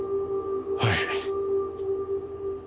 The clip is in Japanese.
はい。